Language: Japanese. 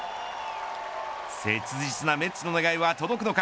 切実なメッツの願いは届くのか